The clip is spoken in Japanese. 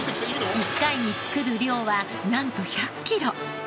１回に作る量はなんと１００キロ！